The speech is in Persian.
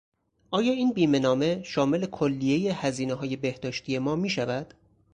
آیا این بیمهنامه شامل کلیهی هزینههای بهداشتی ما میشود؟